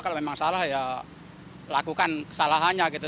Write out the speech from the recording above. kalau memang salah ya lakukan kesalahannya gitu